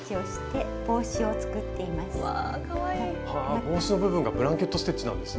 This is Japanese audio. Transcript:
帽子の部分がブランケット・ステッチなんですね。